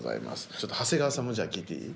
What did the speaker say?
ちょっと長谷川さんもじゃあ聞いていい？